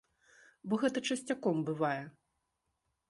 Бо гэта часцяком бывае.